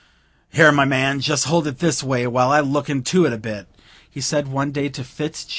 "Here, my man, just hold it this way, while I look into it a bit," he said one day to Fitz G.